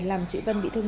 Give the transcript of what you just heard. làm chị vân bị thương